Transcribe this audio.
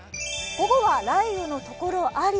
午後は雷雨の所あり。